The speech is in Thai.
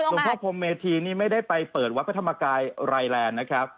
สมผ้าพรหมเมธีไม่ได้ไปเปิดวัสดรธรรมกายไลน